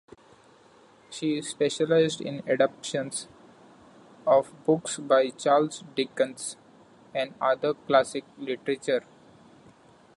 She specialised in adaptations of books by Charles Dickens and other classic literature.